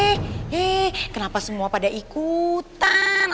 he kenapa semua pada ikutan